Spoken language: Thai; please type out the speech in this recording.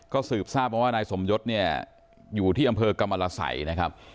ก็สืบทราบมาว่านายสมยศเนี่ยอยู่ที่อำเภอกรรมรสัยนะครับ